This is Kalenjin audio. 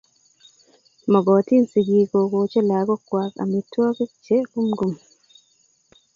Mogotin sigik kokoch lagokwai amitwogik che kumkum ye h